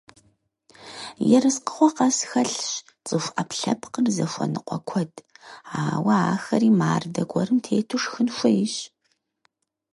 Ерыскъыгъуэ къэс хэлъщ цӀыху Ӏэпкълъэпкъыр зыхуэныкъуэ куэд, ауэ ахэри мардэ гуэрым тету шхын хуейщ.